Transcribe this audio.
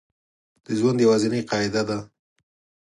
د ژوند یوازینۍ قاعده ده